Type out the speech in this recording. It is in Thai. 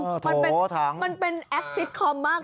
คุณผู้ชมมันเป็นแอ็กซิตคอมมาก